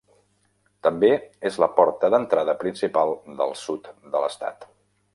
També és la porta d'entrada principal del sud de l'Estat.